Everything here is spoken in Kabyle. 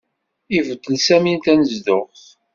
Ibeddel Sami tanezduɣt.